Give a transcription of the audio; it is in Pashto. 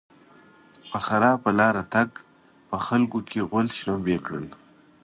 پر خراپه لاره تګ؛ په خلګو کې غول شلومبی کړل.